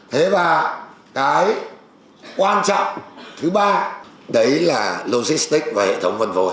thế và cái quan trọng thứ ba đấy là logistics và hệ thống vận vội